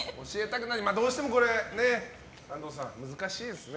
どうしても安藤さん難しいですね。